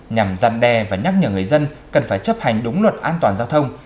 nhằm gian đe và nhắc nhở người dân cần phải chấp hành đúng luật an toàn giao thông